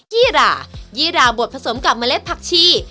ยี่หร่บดผสมกับเมล็ดผักตี